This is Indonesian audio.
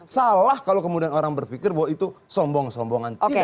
salah kalau kemudian orang berpikir bahwa itu sombong sombongan